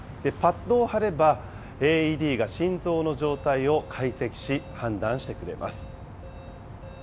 パッドを貼れば、ＡＥＤが心臓の状態を解析し、判断してくれます。